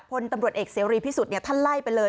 ผลตำรวดเอกเซลวรีพย์พิสุทธิ์เนี่ยท่านเล่ยไปเลย